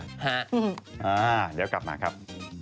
เดี๋ยวกลับมาครับ